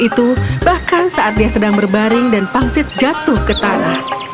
dia induknya keras bahkan saat dia sedang berbaring dan pangsit jatuh ke tanah